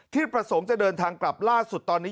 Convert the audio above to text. ประสงค์จะเดินทางกลับล่าสุดตอนนี้